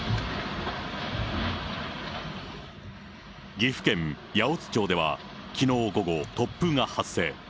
岐阜県八百津町ではきのう午後、突風が発生。